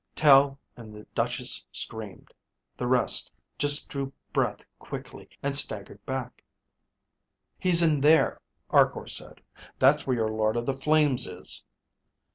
Tel and the Duchess screamed. The rest just drew breath quickly and staggered back. "He's in there," Arkor said. "That's where your Lord of the Flames is."